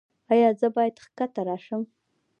ایا زه باید ښکته راشم؟